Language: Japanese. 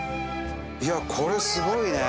いやこれすごいね。